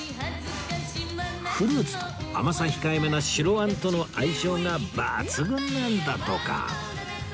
フルーツと甘さ控えめな白あんとの相性が抜群なんだとか